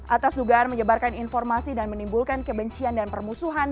atas dugaan menyebarkan informasi dan menimbulkan kebencian dan permusuhan